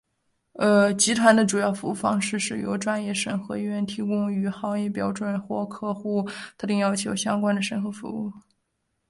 集团的主要服务方式是由专业审核员提供与行业标准或客户特定要求相关的审核服务。